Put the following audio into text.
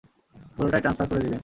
পুরোটাই ট্রান্সফার করে দিবেন।